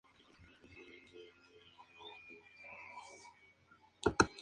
El paso de Alberto por el Real Valladolid no pudo ser más exitoso.